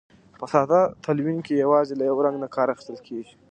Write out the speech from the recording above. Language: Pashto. په ساده تلوین کې یوازې له یو رنګ نه کار اخیستل کیږي.